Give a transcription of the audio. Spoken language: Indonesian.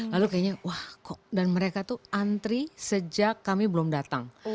lalu kayaknya wah kok dan mereka tuh antri sejak kami belum datang